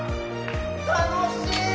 楽しい！